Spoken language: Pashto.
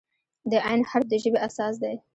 د "ع" حرف د ژبې اساس دی.